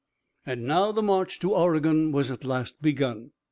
And now the march to Oregon was at last begun!